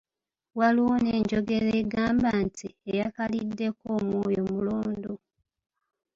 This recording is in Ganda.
Waliwo n'enjogera egamba nti, "Eyakaliddeko omwoyo mulondo".